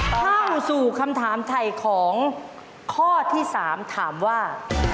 เข้าสู่คำถามถ่ายของข้อที่๓ถามว่า